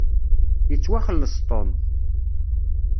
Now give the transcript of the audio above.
Yettwaxelleṣ Tom.